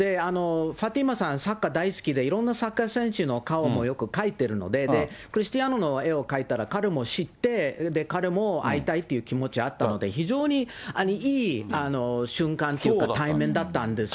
ファテメさん、サッカー大好きで、いろんなサッカー選手の顔もよく描いてるので、クリスティアーノの絵を描いたら彼も知って、彼も会いたいって気持ちあったので、非常にいい瞬間というか、対面だったんですよ。